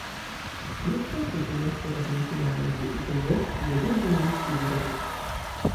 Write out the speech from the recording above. Я страх які лёгкі раблюся на ногі ў той бок, дзе добрую лухту вярзуць.